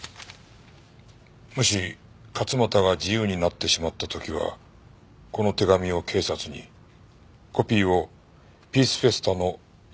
「もし勝又が自由になってしまった時はこの手紙を警察にコピーをピースフェスタの実行委員会に渡して下さい」